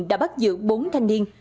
đã bắt giữ bốn thanh niên